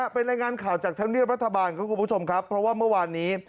เป็นรายงานข่าวจากท่านวิทยาลัยปรัฐบาลเพราะว่าเมื่อวานนี้